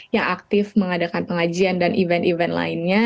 yang aktif mengadakan pengajian dan event event lainnya